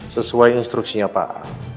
sesuai instruksinya pak